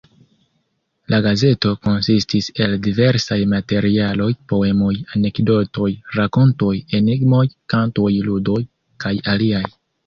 La gazeto konsistis el diversaj materialoj: poemoj, anekdotoj, rakontoj, enigmoj, kantoj, ludoj kaj aliaj.